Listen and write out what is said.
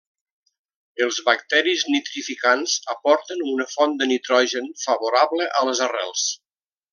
Els bacteris nitrificants aporten una font de nitrogen favorable a les arrels.